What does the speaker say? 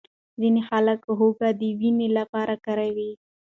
ځینې خلک هوږه د وینې لپاره کاروي.